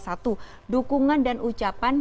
satu dukungan dan ucapan